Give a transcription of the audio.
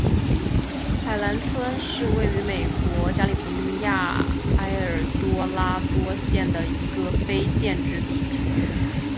海兰村是位于美国加利福尼亚州埃尔多拉多县的一个非建制地区。